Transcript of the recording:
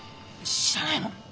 知らないの？